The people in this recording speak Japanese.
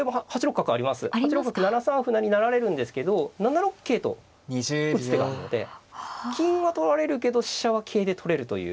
８六角７三歩成成られるんですけど７六桂と打つ手があるので金は取られるけど飛車は桂で取れるという。